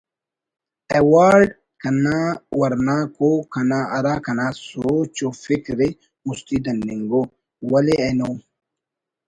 ایوارڈ کنا ورناک ءُ ہرا کنا سوچ و فکرءِ مستی دننگ ءُ “ ولے اینو